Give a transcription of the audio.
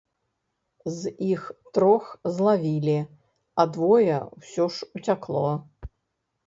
З іх трох злавілі, а двое ўсё ж уцякло.